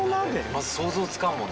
まず想像つかんもんな。